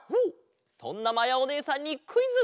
そんなまやおねえさんにクイズ！